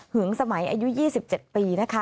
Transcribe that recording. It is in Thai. หึงสมัยอายุ๒๗ปี